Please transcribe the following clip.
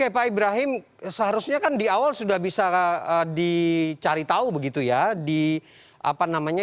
pak ibrahim seharusnya kan di awal sudah bisa dicari tahu begitu ya